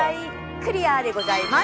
クリアでございます！